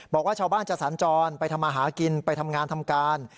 บอกว่าชาวบ้านจะสัญจรไปทำอาหารกินไปทำงานทำการ